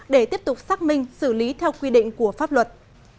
để tiếp tục xác minh xử lý theo quy định của pháp luật